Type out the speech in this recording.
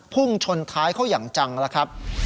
พุ่งชนท้ายเขาอย่างจังแล้วครับ